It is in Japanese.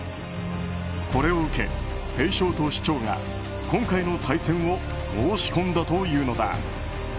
これを受け、ペイショート市長が今回の対戦を申し込んだというのだ。